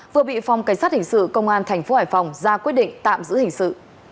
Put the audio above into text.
vừa bị phòng cảnh sát hình sự công an thành phố hải phòng ra quyết định tạm giữ hình sự